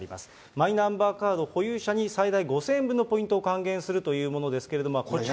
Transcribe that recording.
マイナンバーカード保有者に、最大５０００円分のポイントを還元するというものですけれども、こちらも。